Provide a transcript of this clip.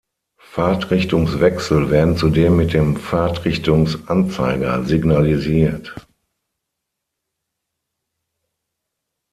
Fahrtrichtungswechsel werden zudem mit dem Fahrtrichtungsanzeiger signalisiert.